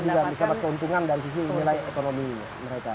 masyarakat juga mendapatkan keuntungan dari sisi nilai ekonomi mereka